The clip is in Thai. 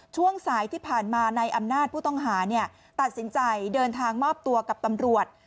ช่วงสายที่ผ่านมาในอำนาจผู้ต้องหาตัดสินใจเดินทางมอบตัวกับตำรวจ